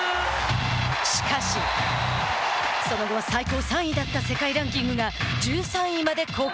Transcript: しかし、その後は最高３位だった世界ランキングが１３位まで降下。